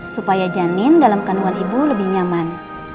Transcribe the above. supaya janin dalam kandungan ibu lebih nyaman